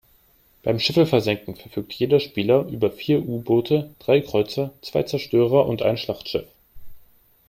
Beim Schiffe versenken verfügt jeder Spieler über vier U-Boote, drei Kreuzer, zwei Zerstörer und ein Schlachtschiff.